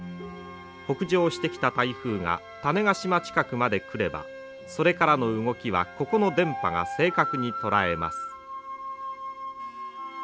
北上してきた台風が種子島近くまで来ればそれからの動きはここの電波が正確に捉えます。